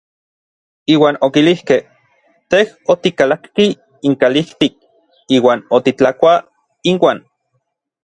Iuan okilijkej: Tej otikalakki inkalijtik iuan otitlakuaj inuan.